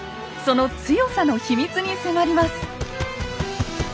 その強さの秘密に迫ります。